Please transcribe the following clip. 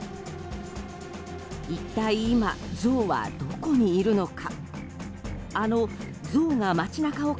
一体今、ゾウはどこにいるのか。